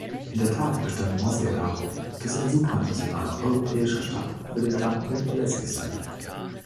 In der Tat bestand Mosley darauf, dass ein supranationaler europäischer Staat für den Plan unerlässlich sei.